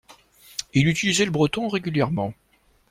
Il utilisait le breton régulièrement.